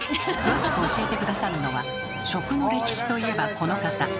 詳しく教えて下さるのは食の歴史といえばこの方。